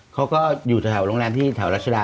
เขาก็อยู่แถวโรงแรมที่แถวรัชดา